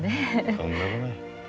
とんでもない。